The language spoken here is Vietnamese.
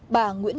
bà nguyễn nguyễn